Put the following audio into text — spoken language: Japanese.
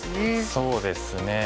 そうですね。